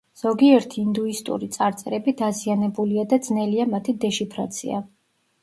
ზოგიერთი ინდუისტური წარწერები დაზიანებულია და ძნელია მათი დეშიფრაცია.